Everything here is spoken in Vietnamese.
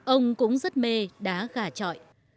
ông cũng rất mê đá gà trọi